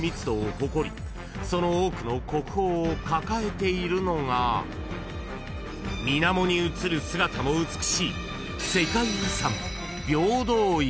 誇りその多くの国宝を抱えているのが水面に映る姿も美しい］